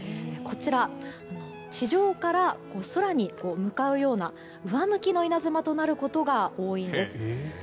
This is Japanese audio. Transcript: こちら地上から空に向かうような上向きの稲妻となることが多いんです。